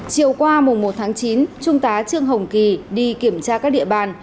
chiều qua mùng một tháng chín trung tá trương hồng kỳ đi kiểm tra các địa bàn